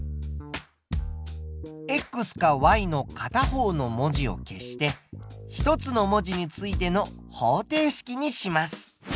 かの片方の文字を消して一つの文字についての方程式にします。